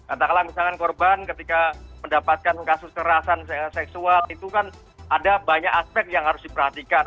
entah kalau misalnya korban ketika mendapatkan kasus kerasan seksual itu kan ada banyak aspek yang harus diperhatikan